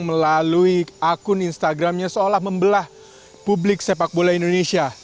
melalui akun instagramnya seolah membelah publik sepak bola indonesia